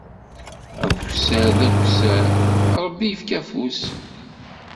Akessar d akessar, Ṛebbi ifka afus.